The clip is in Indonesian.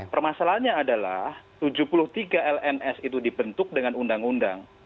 permasalahannya adalah tujuh puluh tiga lns itu dibentuk dengan undang undang